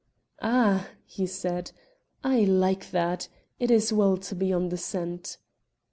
"Ah," he said, "I like that. It is well to be on the scent."